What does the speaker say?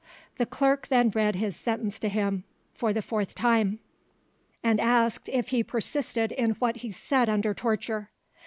The clerk then read his sentence to him for the fourth time, and asked if he persisted in what he said under torture.